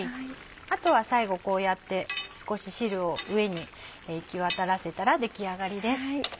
あとは最後こうやって少し汁を上に行き渡らせたら出来上がりです。